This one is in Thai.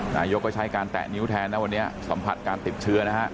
นายกก็ใช้การแตะนิ้วแทนนะวันนี้สัมผัสการติดเชื้อนะฮะ